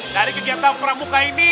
dari kegiatan pramuka ini